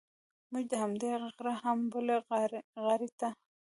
موږ د همدې غره هغې بلې غاړې ته.